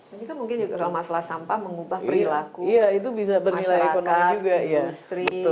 mereka mungkin juga masalah sampah mengubah perilaku masyarakat industri